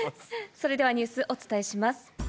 それではニュース、お伝えします。